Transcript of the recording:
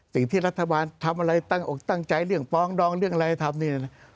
สิ่งที่รัฐบาลทำอะไรตั้งอกตั้งใจเรื่องปองดองเรื่องอะไรทำนี่นะ